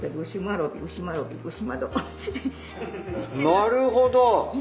なるほど。